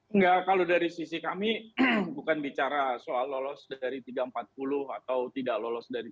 enggak kalau dari sisi kami bukan bicara soal lolos dari tiga ratus empat puluh atau tidak lolos dari p tiga